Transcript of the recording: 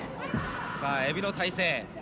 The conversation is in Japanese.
さあ、エビの体勢。